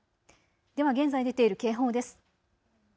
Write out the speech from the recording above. では現在、出ている警報です。